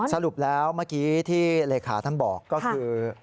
สรุปแล้วเมื่อกี้ที่เลขาท่านบอกก็คือ